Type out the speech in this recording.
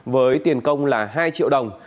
với tiền công là hai triệu đồng